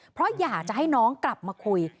เพราะอยากจะให้น้องกลับมาคุย